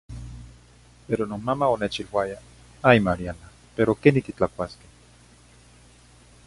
Pero nomama onechihluaya “Ay Mariana pero queni titlacuasque?